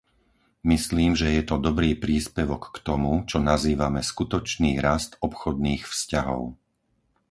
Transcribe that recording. Myslím, že je to dobrý príspevok k tomu, čo nazývame skutočný rast obchodných vzťahov.